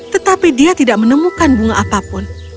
tetapi dia tidak menemukan bunga apapun